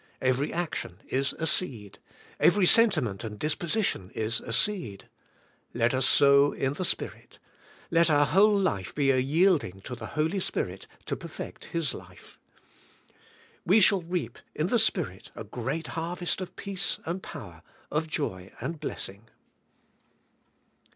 Kvery action is a seed. Kvery sentiment and disposition is a seed. Let us sow in the Spirit. Let our whole life be a yielding to the Holy Spirit to perfect His life. We shall reap in the Spirit a great harvest of peace and pOAver, of joy and blessing.